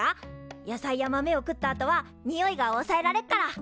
野菜や豆を食ったあとはにおいがおさえられっから。